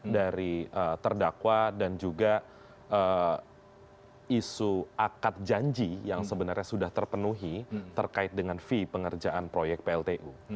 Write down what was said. dari terdakwa dan juga isu akad janji yang sebenarnya sudah terpenuhi terkait dengan fee pengerjaan proyek pltu